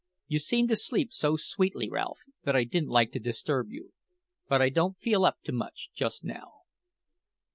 You seemed to sleep so sweetly, Ralph, that I didn't like to disturb you. But I don't feel up to much just now."